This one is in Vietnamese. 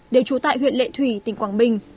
đều trú tại huyện lệ thủy tỉnh quảng bình